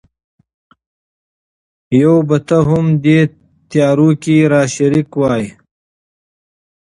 یو به ته هم دې تیارو کي را شریک وای